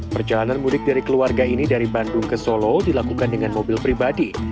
perjalanan mudik dari keluarga ini dari bandung ke solo dilakukan dengan mobil pribadi